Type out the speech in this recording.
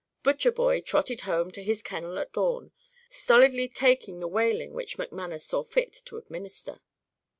Butcherboy trotted home to his kennel at dawn, stolidly taking the whaling which McManus saw fit to administer.